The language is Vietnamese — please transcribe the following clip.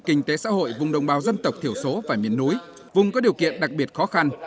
kinh tế xã hội vùng đồng bào dân tộc thiểu số và miền núi vùng có điều kiện đặc biệt khó khăn